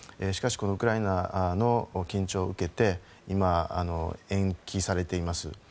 しかしウクライナの緊張を受けて今、延期されています。